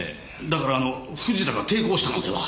だからあの藤田が抵抗したのでは？